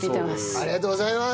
ありがとうございます！